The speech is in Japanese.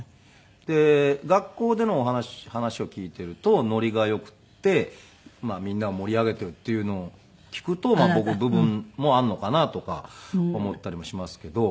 で学校での話を聞いていると乗りが良くてみんなを盛り上げているっていうのを聞くと僕の部分もあるのかなとか思ったりもしますけど。